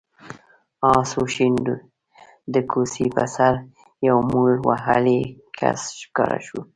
آس وشڼېد، د کوڅې په سر کې يو مول وهلی کس ښکاره شو.